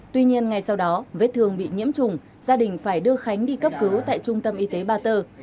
tuy nhiên ngay sau đó vết thương bị nhiễm trùng gia đình phải đưa khánh đi cấp cứu tại trung tâm y tế ba tơ